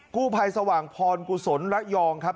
กู้ภัยสว่างพรกุศลระยองครับ